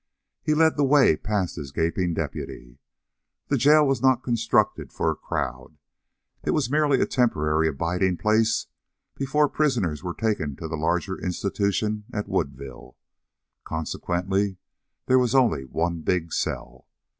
He led the way past his gaping deputy. The jail was not constructed for a crowd. It was merely a temporary abiding place before prisoners were taken to the larger institution at Woodville. Consequently there was only one big cell.